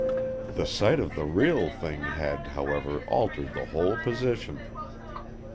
The sight of the real thing had, however, altered the whole position.